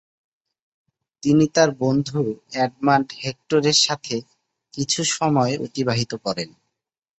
তিনি তার বন্ধু এডমান্ড হেক্টরের সাথে কিছু সময় অতিবাহিত করেন।